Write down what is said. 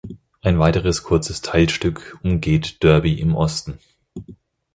Ein weiteres kurzes Teilstück umgeht Derby im Osten.